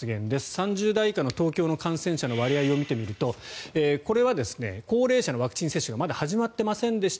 ３０代以下の東京の感染者の割合を見てみるとこれは高齢者のワクチン接種がまだ始まってませんでした。